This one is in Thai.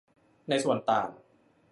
ในส่วนต่าง